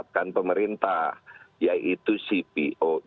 dan juga dengan harga yang dikatakan pemerintah